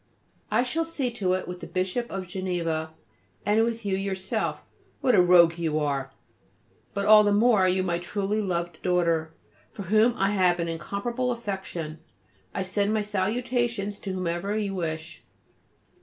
I shall see to it with the Bishop of Geneva and with you yourself. What a rogue you are! But all the more are you my truly loved daughter, for whom I have an incomparable affection. I send my salutations to whoever you wish.